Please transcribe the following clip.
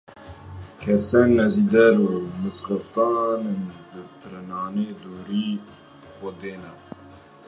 Kesên nêzî dêr û mizgeftan in bi piranî dûrî Xwedê ne.